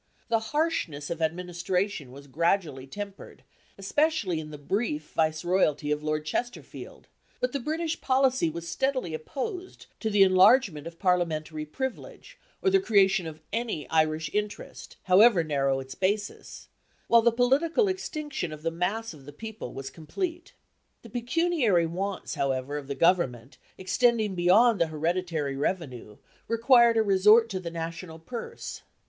The harshness of administration was gradually tempered, especially in the brief viceroyalty of Lord Chesterfield; but the British policy was steadily opposed to the enlargement of Parliamentary privilege, or the creation of any Irish interest, however narrow its basis, while the political extinction of the mass of the people was complete. The pecuniary wants, however, of the Government, extending beyond the hereditary revenue, required a resort to the national purse.